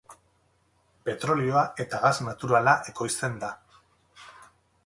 Petrolioa eta gas naturala ekoizten da.